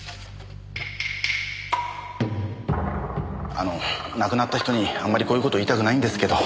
あの亡くなった人にあんまりこういう事言いたくないんですけど。